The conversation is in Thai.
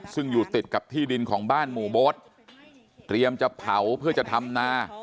ซึ่งอยู่ติดกับที่ดินของบ้านหมู่โบ๊ทเตรียมจะเผาเพื่อจะทำนา